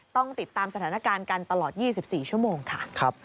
ต้องติดตามสถานการณ์กันตลอด๒๔ชั่วโมงค่ะ